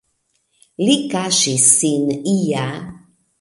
Li kaŝis sin ia.